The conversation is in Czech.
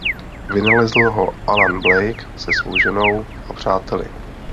Vynalezl ho Alan Blake se svou ženou a přáteli.